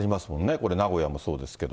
これ、名古屋もそうですけど。